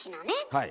はい。